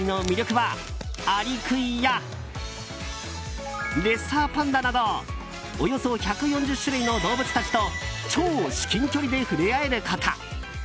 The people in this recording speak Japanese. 最大の魅力はアリクイやレッサーパンダなどおよそ１４０種類の動物たちと超至近距離で触れ合えること。